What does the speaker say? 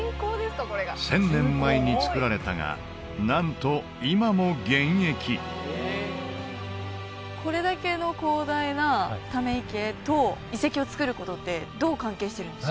１０００年前に造られたがなんと今も現役これだけの広大なため池と遺跡を造ることってどう関係してるんですか？